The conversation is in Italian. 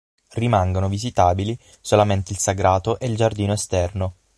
Rimangono visitabili solamente il sagrato e il giardino esterno.